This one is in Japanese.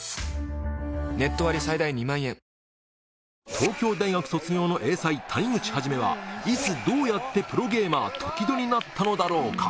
東京大学卒業の英才谷口一はいつどうやってプロゲーマーときどになったのだろうか？